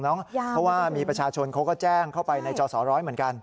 เพราะว่ามีประชาชนเขาก็แจ้งเข้าไปในจอสอร้อยเหมือนกัน